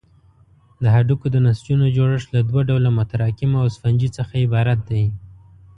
د هډوکو د نسجونو جوړښت له دوه ډوله متراکمو او سفنجي څخه عبارت دی.